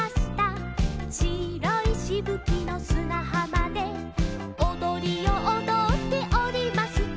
「しろいしぶきのすなはまで」「おどりをおどっておりますと」